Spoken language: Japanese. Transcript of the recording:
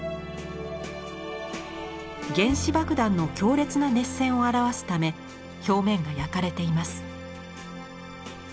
原子爆弾の強烈な熱線を表すため表面が焼かれています。